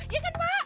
iya kan pak